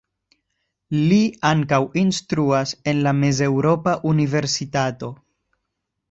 Li ankaŭ instruas en la Mez-Eŭropa Universitato.